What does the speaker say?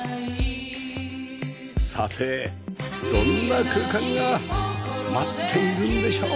さてどんな空間が待っているんでしょうか？